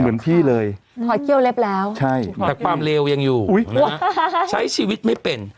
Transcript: เหมือนพี่เลยคอยเขี้ยวเล็บแล้วใช่แต่ความเลวยังอยู่ใช้ชีวิตไม่เป็น